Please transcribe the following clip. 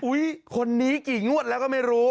คนนี้กี่งวดแล้วก็ไม่รู้